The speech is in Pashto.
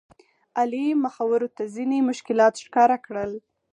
علي مخورو ته ځینې مشکلات ښکاره کړل.